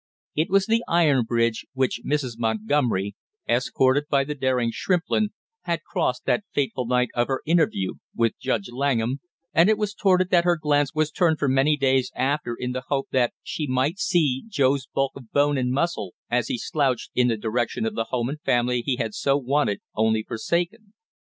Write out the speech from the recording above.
It was the iron bridge which Mrs. Montgomery, escorted by the daring Shrimplin, had crossed that fateful night of her interview with Judge Langham, and it was toward it that her glance was turned for many days after in the hope that she might see Joe's bulk of bone and muscle as he slouched in the direction of the home and family he had so wanted only forsaken.